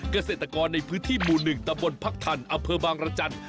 เกษตรกรในพื้นที่หมู่หนึ่งตะบลภักษณ์อบางรจันทร์